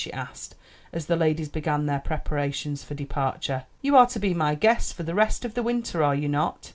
she asked, as the ladies began their preparations for departure. "You are to be my guests for the rest of the winter, are you not?"